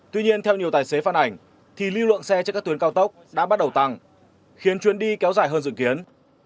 tuy nhiên theo nhiều tài xế phát ảnh thì lưu lượng xe trên các tuyến cao tốc đã bắt đầu tăng khiến chuyến đi kéo dài hơn dự kiến